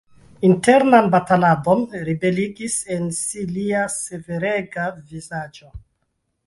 Internan bataladon rebriligis en si lia severega vizaĝo.